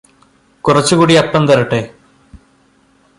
കുറച്ചു കൂടി അപ്പം തരട്ടേ